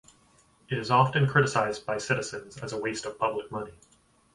It is often criticised by citizens as a waste of public money.